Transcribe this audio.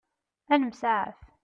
Ad nemsaɛaf.